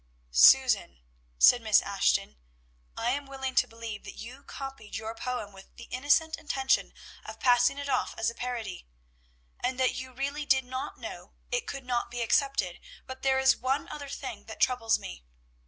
"Susan!" said Miss Ashton, "I am willing to believe that you copied your poem with the innocent intention of passing it off as a parody, and that you really did not know it could not be accepted, but there is one other thing that troubles me.